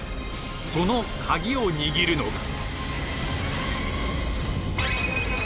そのカギを握るのが。